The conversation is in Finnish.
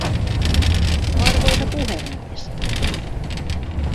Arvoisa puhemies